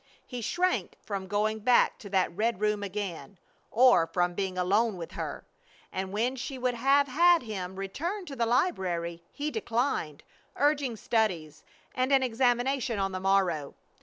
He shrank from going back to that red room again, or from being alone with her; and when she would have had him return to the library he declined, urging studies and an examination on the morrow.